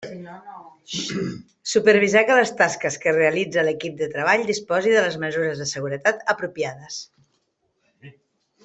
Supervisar que les tasques que realitza l'equip de treball disposi de les mesures de seguretat apropiades.